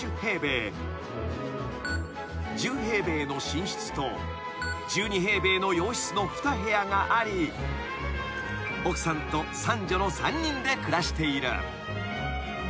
［１０平米の寝室と１２平米の洋室の２部屋があり奥さんと三女の３人で暮らしている］